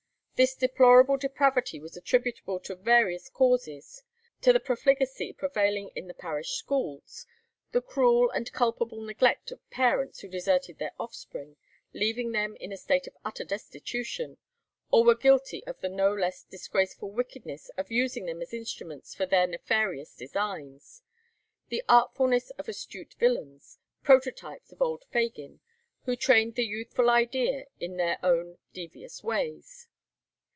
This deplorable depravity was attributable to various causes: to the profligacy prevailing in the parish schools; the cruel and culpable neglect of parents who deserted their offspring, leaving them in a state of utter destitution, or were guilty of the no less disgraceful wickedness of using them as instruments for their nefarious designs; the artfulness of astute villains prototypes of old Fagin who trained the youthful idea in their own devious ways.